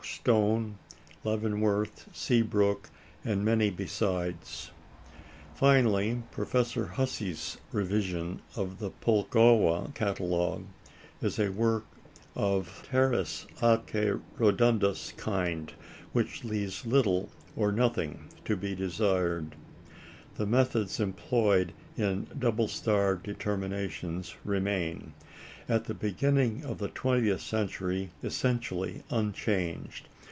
Stone, Leavenworth, Seabroke, and many besides. Finally, Professor Hussey's revision of the Pulkowa Catalogue is a work of the teres atque rotundus kind, which leaves little or nothing to be desired. The methods employed in double star determinations remain, at the beginning of the twentieth century, essentially unchanged.